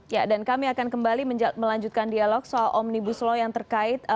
ya dan kami akan kembali melanjutkan dialog soal omnibus law yang terkait